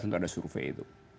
tentu ada survei itu